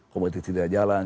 kompetisi tidak jalan